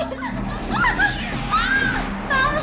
terima kasih ibu